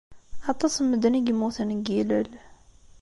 Aṭas n medden i yemmuten deg yillel.